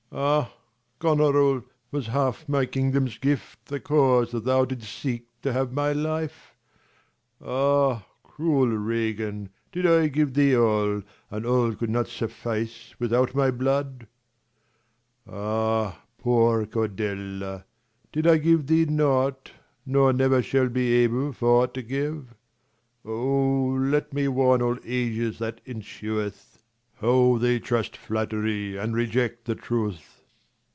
Lelr. Ah, Gonorill, was ha|f my kingdom's gift 50 The cause that thou didst seek tohave my life ? Ah, cruel Ragan, did I give thee all, Ancl all eoutd not suffice without my blood ? r"*^^ Ah, poor Cordelia, did I give thee nought, V Nor never shall be able for to give ? 5 5 Oh, let me warn all ages that ensueth, How they trust flattery, and reject the truth.